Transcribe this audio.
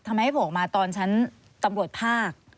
ทำไมไม่โหมาตอนชั้นตำรวจภาค